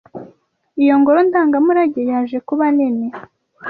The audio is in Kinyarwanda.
Iyo ngoro ndangamurage yaje kuba nini.